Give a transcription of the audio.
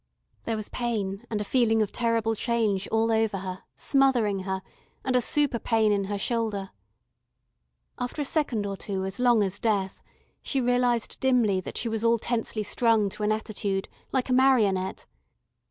There was pain and a feeling of terrible change all over her, smothering her, and a super pain in her shoulder. After a second or two as long as death, she realised dimly that she was all tensely strung to an attitude, like a marionette.